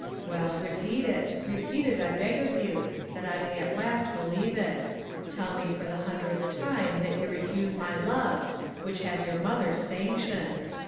"Well, repeat it,—repeat it, I beg of you, that I may at last believe it! Tell me for the hundredth time that you refuse my love, which had your mother's sanction.